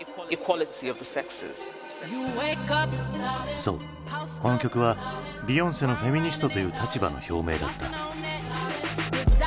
そうこの曲はビヨンセのフェミニストという立場の表明だった。